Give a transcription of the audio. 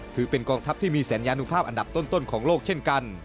ถือเป็นกองทัพที่มีสัญญานุภาพอันดับต้นของโลกเช่นกัน